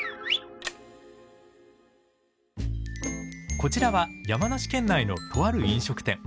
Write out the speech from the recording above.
こちらは山梨県内のとある飲食店。